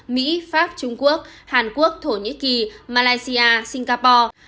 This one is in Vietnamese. mỹ pháp trung quốc hàn quốc thổ nhĩ kỳ malaysia singapore